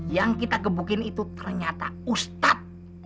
yang kita gebukin itu ternyata ustadz